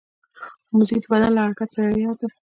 موزیک د بدن له حرکت سره یار دی.